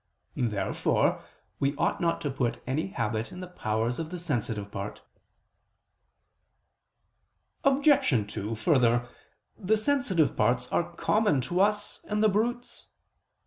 Therefore we ought not to put any habit in the powers of the sensitive part. Obj. 2: Further, the sensitive parts are common to us and the brutes.